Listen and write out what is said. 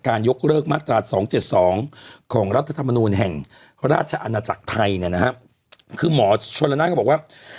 ยกเลิกมาตรา๒๗๒ของรัฐธรรมนูลแห่งราชอาณาจักรไทยเนี่ยนะฮะคือหมอชนละนานก็บอกว่า